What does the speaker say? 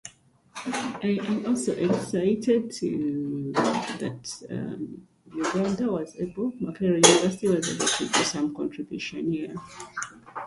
These saw little use due to a lack of spare parts and maintenance.